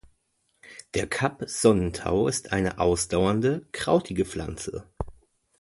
Der Kap-Sonnentau ist eine ausdauernde, krautige Pflanze.